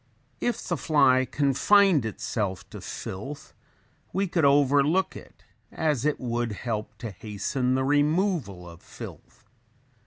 If the fly confined itself to filth we could overlook it as it would help to hasten the removal of filth.